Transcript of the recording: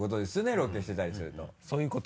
ロケしてたりすると。